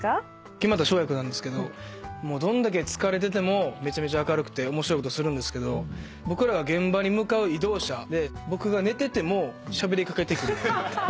木全翔也君なんですけどどんだけ疲れててもめちゃめちゃ明るくて面白いことするんですけど僕らが現場に向かう移動車で僕が寝ててもしゃべり掛けてくる。